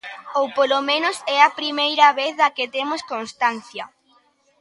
Ou polo menos é a primeira vez da que temos constancia.